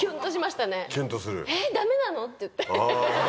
「えっダメなの？」って言って。